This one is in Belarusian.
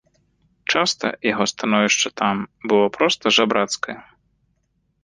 Часта яго становішча там было проста жабрацкае.